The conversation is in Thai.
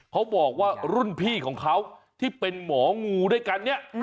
เขาบอกว่ารุ่นพี่ของเขาที่เป็นหมองูด้วยกันเนี่ย